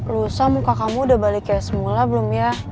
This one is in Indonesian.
lusa muka kamu udah balik kayak semula belum ya